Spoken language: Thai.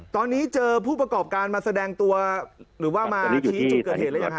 ตอนนี้เจอผู้ประกอบการมาแสดงตัวหรือว่ามาชี้จุดเกิดเหตุหรือยังฮ